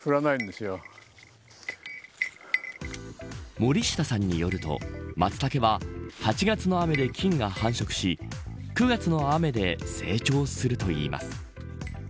森下さんによるとマツタケは８月の雨で菌が繁殖し９月の雨で成長するといいます。